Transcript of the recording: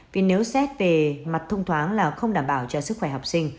vì nếu xét về mặt thông thoáng là không đảm bảo cho sức khỏe học sinh